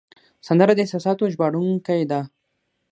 سندره د احساساتو ژباړونکی ده